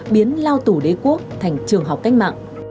biến lao tù đế quốc thành trường học cách mạng